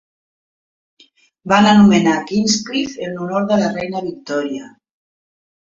Van anomenar Queenscliff en honor de la reina Victòria.